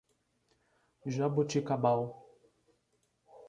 Jaboticabal